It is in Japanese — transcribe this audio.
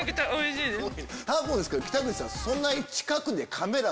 多分ですけど北口さん。